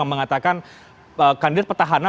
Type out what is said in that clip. mengatakan kandidat petahana